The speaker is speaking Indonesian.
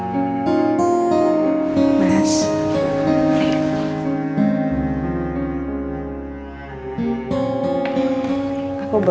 ya udah nanti saya makan ya